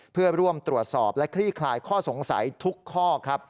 เพื่อร่วมตรวจสอบและคลี่คลายข้อสงสัยทุกข้อครับ